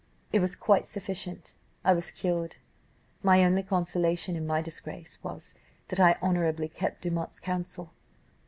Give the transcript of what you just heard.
It was quite sufficient. I was cured. My only consolation in my disgrace was, that I honourably kept Dumont's counsel.